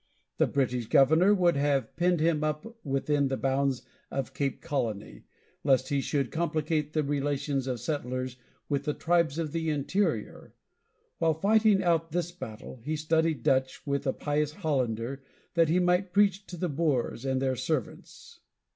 The British governor would have penned him up within the bounds of Cape Colony, lest he should complicate the relations of the settlers with the tribes of the interior. While fighting out this battle, he studied Dutch with a pious Hollander, that he might preach to the Boers and their servants.